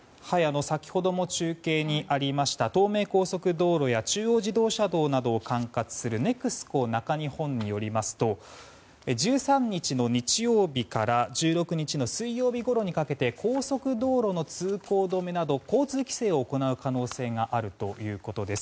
先ほども中継にありました東名高速道路や中央自動車道などを管轄するＮＥＸＣＯ中日本によりますと１３日の日曜日から１６日の水曜日ごろにかけて高速道路の通行止めなど交通規制を行う可能性があるということです。